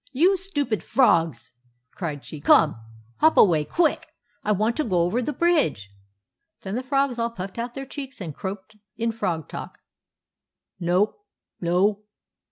You stupid frogs !" cried she. " Come! hop away, quick ! I want to go over the bridge." Then the frogs all puffed out their cheeks and croaked in frog talk —" No ! No